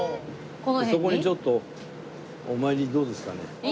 そこにちょっとお参りどうですかね？